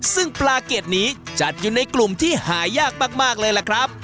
ซึ่งปลาเกรดนี้จัดอยู่ในกลุ่มที่หายากมากเลยล่ะครับ